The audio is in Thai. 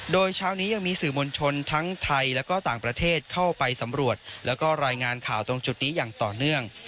โดยเช้านี้ยังมีสื่อมวลชนทั้งไทยและก็ต่างประเทศเข้าไปสำรวจแล้วก็รายงานข่าวตรงจุดนี้อย่างต่อเนื่อง